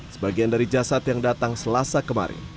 sebagian dari jasad yang datang selasa kemarin